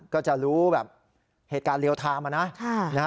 ก็จะรู้เหตุการณ์เรียวทามานะ